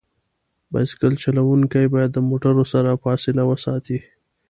بایسکل چلونکي باید د موټرو سره فاصله وساتي.